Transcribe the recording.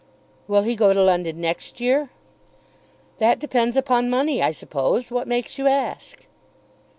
"Will he go to London next year?" "That will depend upon money, I suppose. What makes you ask?"